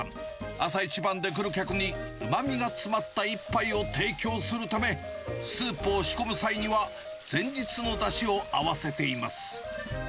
朝一番で来る客に、うまみが詰まった一杯を提供するため、スープを仕込む際には、前日のだしを合わせています。